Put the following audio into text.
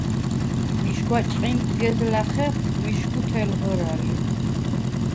მიშგვა ჭყინტგეზლა̈ ხეხვ მიშგუ თელღრა ლი.